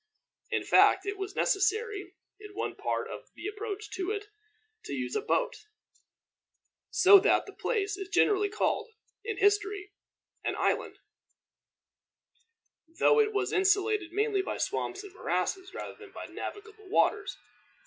In fact, it was necessary, in one part of the approach to it, to use a boat, so that the place is generally called, in history, an island, though it was insulated mainly by swamps and morasses rather than by navigable waters.